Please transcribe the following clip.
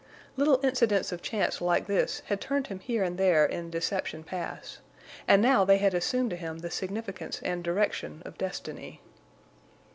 Little incidents of chance like this had turned him here and there in Deception Pass; and now they had assumed to him the significance and direction of destiny.